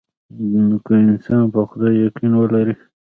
که انسان په خدای يقين ولري.